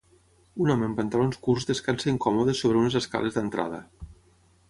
Un home amb pantalons curts descansa incòmode sobre unes escales d'entrada.